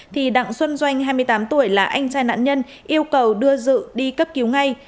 thì đặng xuân doanh hai mươi tám tuổi là anh trai nạn nhân yêu cầu đưa dự đi cấp cứu ngay